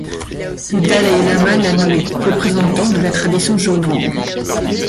Le dalaï-lama l'a nommé représentant de la tradition Jonang.